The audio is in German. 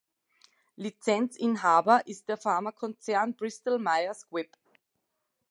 Lizenzinhaber ist der Pharmakonzern Bristol-Myers Squibb.